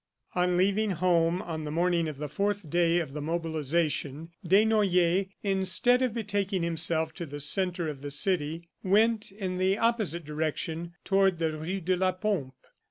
On leaving home on the morning of the fourth day of the mobilization Desnoyers, instead of betaking himself to the centre of the city, went in the opposite direction toward the rue de la Pompe.